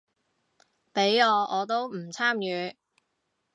畀我我都唔參與